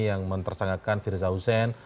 yang mentersanggakan firza hussein